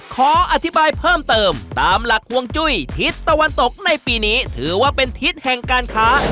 ขออธิบายเพิ่มเติมตามหลักฮวงจุ้ยทิศตะวันตกในปีนี้ถือว่าเป็นทิศแห่งการค้า